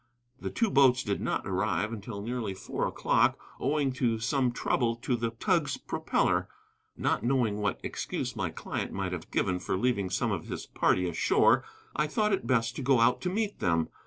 The two boats did not arrive until nearly four o'clock, owing to some trouble to the tug's propeller. Not knowing what excuse my client might have given for leaving some of his party ashore, I thought it best to go out to meet them.